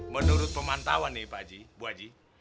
menurut pemantauan nih bu haji